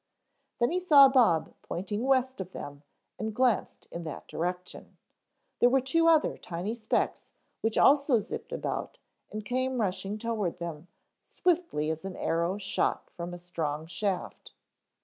Then he saw Bob pointing west of them and glanced in that direction. There were two other tiny specks which also zipped about and came rushing toward them swiftly as an arrow shot from a strong shaft.